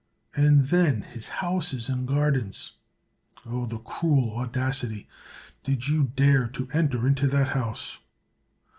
And then his houses and gardens! Oh, the cruel audacity ! Did you dare to enter into that house?